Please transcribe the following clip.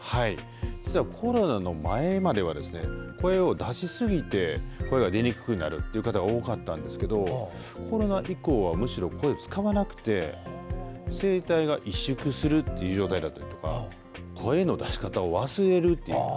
実は、コロナの前までは声を出しすぎて声が出にくくなるっていう方が多かったんですけどコロナ以降はむしろ声を使わなくて声帯が萎縮するっていう状態だったりとか声の出し方を忘れるっていう。